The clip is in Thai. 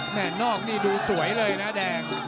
นอกนี่ดูสวยเลยนะแดง